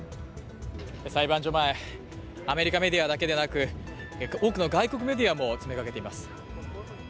裁判所前、アメリカメディアだけでなく、多くの外国メディアも詰めかけています。